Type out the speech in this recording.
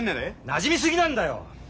なじみ過ぎなんだよ！